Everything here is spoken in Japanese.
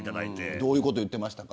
どういうこと言ってましたか。